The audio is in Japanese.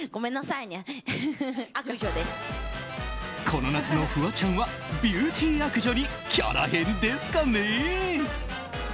この夏のフワちゃんはビューティー悪女にキャラ変ですかね？